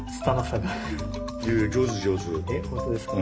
えっ本当ですか？